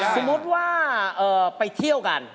สมมุติว่าไปเที่ยวกัน